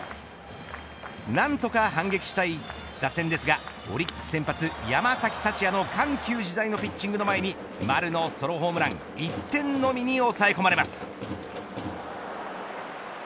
何とか反撃したい打線ですがオリックス先発、山崎福也の緩急自在のピッチングの間に丸のソロホームラン１点のみに抑え込まれます。